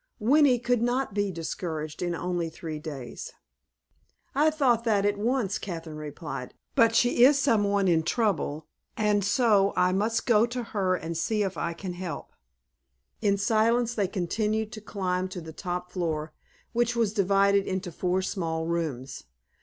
Winnie could not be discouraged in only three days." "I thought that at once," Kathryn replied, "but she is someone in trouble, and so I must go to her and see if I can help." In silence they continued to climb to the top floor, which was divided into four small rooms.